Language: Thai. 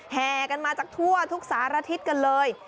แห่กันมาจากทั่วทุกสารทิศกันเลย